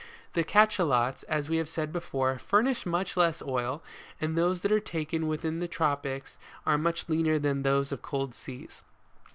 * The Cachalots, as we have said before, furnish much less oil, and those that are taken within the tropics are much leaner than those of cold seas.